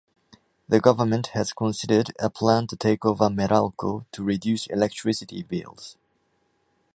The government has considered a plan to take over Meralco, to reduce electricity bills.